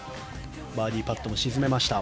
バーディーパットも沈めました。